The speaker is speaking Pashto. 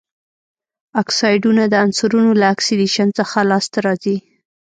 اکسایډونه د عنصرونو له اکسیدیشن څخه لاسته راځي.